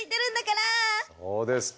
そうですか。